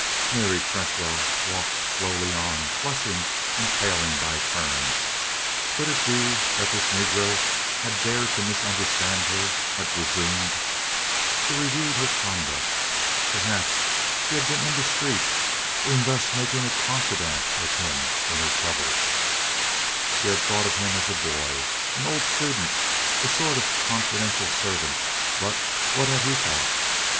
Mary Cresswell walked slowly on, flushing and paling by turns. Could it be that this Negro had dared to misunderstand her had presumed? She reviewed her conduct. Perhaps she had been indiscreet in thus making a confidant of him in her trouble. She had thought of him as a boy an old student, a sort of confidential servant; but what had he thought?